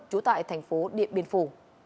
trú tại thành phố điện biên phủ